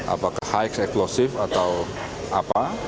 apakah hikes eksplosif atau apa